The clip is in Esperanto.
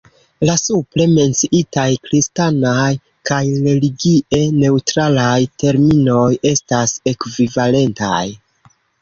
La supre menciitaj kristanaj kaj religie neŭtralaj terminoj estas ekvivalentaj.